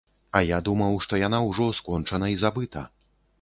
А я думаў, што яна ўжо скончана і забыта.